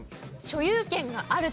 所有権がある。